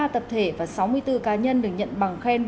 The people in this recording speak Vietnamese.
bốn mươi ba tập thể và sáu mươi bốn cá nhân được nhận bằng khen